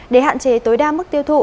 để hạn chế tối đa mức tiêu thụ